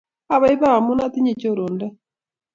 Abaibai amu atinye chorondok